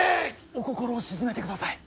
お心を静めてください。